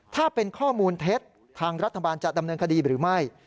ถ้าเป็นข้อมูลเท็จทางรัฐบาลจะดำเนินคดีหรือไม่